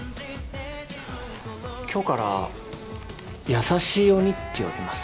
今日から優しい鬼って呼びます。